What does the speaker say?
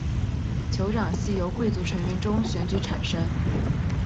酋长系由贵族成员中选举产生。